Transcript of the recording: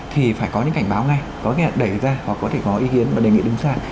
thì phải có những cảnh báo ngay có thể đẩy ra hoặc có thể có ý kiến và đề nghị đứng xa